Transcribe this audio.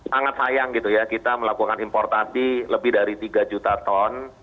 sangat sayang gitu ya kita melakukan importasi lebih dari tiga juta ton